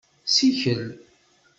Sikel.